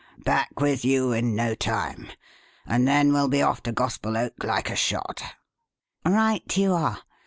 Back with you in no time and then we'll be off to Gospel Oak like a shot." "Right you are.